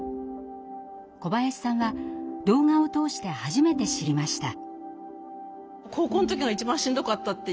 小林さんは動画を通して初めて知りました。